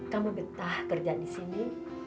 kamu betah kerja di sini